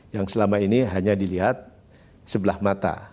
yang selama ini hanya dilihat sebelah mata